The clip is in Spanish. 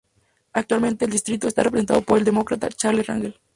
Actualmente el distrito está representado por el Demócrata Charles Rangel.